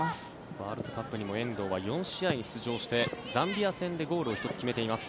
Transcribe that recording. ワールドカップにも遠藤は４試合に出場してザンビア戦でゴールを１つ決めています。